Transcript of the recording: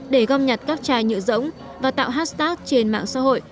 để gom nhặt các chai nhựa rỗng và tạo hashtag trên mạng xã hội